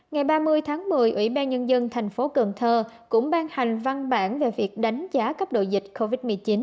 ngày ba mươi tháng một mươi ủy ban nhân dân thành phố cần thơ cũng ban hành văn bản về việc đánh giá cấp độ dịch covid một mươi chín